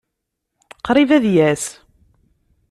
Qṛib ad yas.